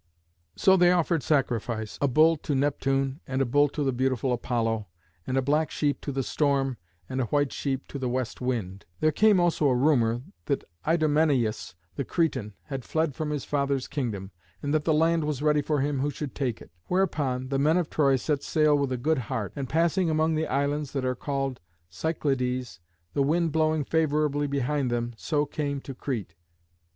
So they offered sacrifice, a bull to Neptune and a bull to the beautiful Apollo, and a black sheep to the Storm and a white sheep to the West Wind. There came also a rumour that Idomeneus the Cretan had fled from his father's kingdom, and that the land was ready for him who should take it. Whereupon the men of Troy set sail with a good heart, and passing among the islands that are called Cyclades, the wind blowing favourably behind them, so came to Crete.